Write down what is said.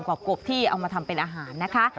กบที่เอามาทำเป็นอาหารนะคะ